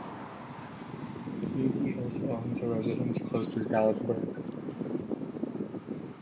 Muti also owns a residence close to Salzburg.